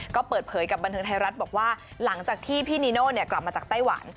ก็เปิดเผยกับบันเทิงไทยรัฐบอกว่าหลังจากที่พี่นีโน่กลับมาจากไต้หวัน